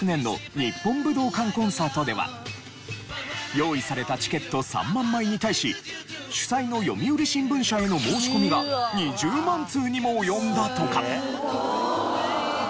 用意されたチケット３万枚に対し主催の読売新聞社への申し込みが２０万通にも及んだとか。